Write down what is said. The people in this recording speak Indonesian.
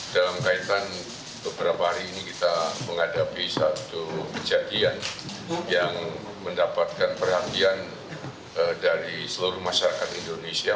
dalam kaitan beberapa hari ini kita menghadapi satu kejadian yang mendapatkan perhatian dari seluruh masyarakat indonesia